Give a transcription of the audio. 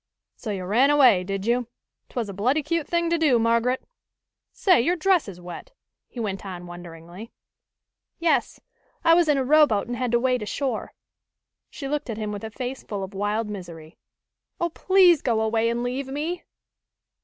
"So you ran away, did you? 'Twas a bloody cute thing to do, Margaret. Say, your dress is wet," he went on wonderingly. "Yes, I was in a rowboat and had to wade ashore." She looked at him with a face full of wild misery. "Oh, please go away and leave me!"